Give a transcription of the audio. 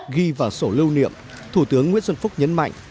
ghi vào sổ lưu niệm thủ tướng nguyễn xuân phúc nhấn mạnh